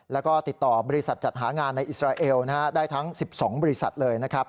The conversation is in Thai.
แล้วก็ติดต่อบริษัทจัดหางานในอิสราเอลได้ทั้ง๑๒บริษัทเลยนะครับ